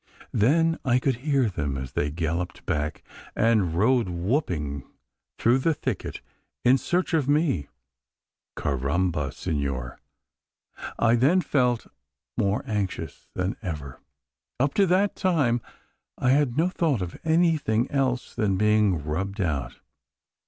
Then I could hear them, as they galloped back, and rode whooping through the thicket in search of me. Carrambo, senor! I then felt more anxious than ever. Up to that time I had no thought of anything else than being rubbed out.